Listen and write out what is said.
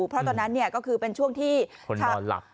เพราะตอนนั้นก็คือเป็นช่วงที่คนนอนหลับ